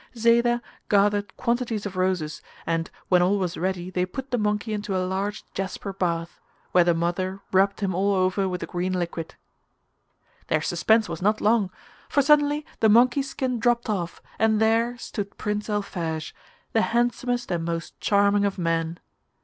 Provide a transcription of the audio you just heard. Zayda gathered quantities of roses, and when all was ready they put the monkey into a large jasper bath, where the mother rubbed him all over with the green liquid. Their suspense was not long, for suddenly the monkey skin dropped off, and there stood Prince Alphege, the handsomest and most charming of men.